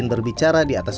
dpr ri puan maharani